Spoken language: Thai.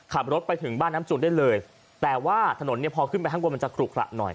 ขับรถไปถึงบ้านน้ำจูนได้เลยแต่ว่าถนนเนี่ยพอขึ้นไปข้างบนมันจะขลุขระหน่อย